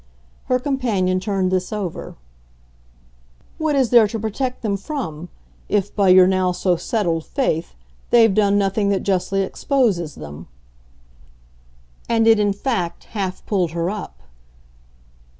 Her companion turned this over. "What is there to protect them from? if, by your now so settled faith, they've done nothing that justly exposes them." And it in fact half pulled her up.